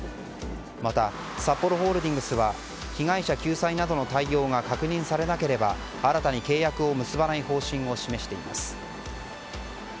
またサッポロホールディングスは被害者救済などの対応が確認されなければ新たに契約を結ばない方針を示しています。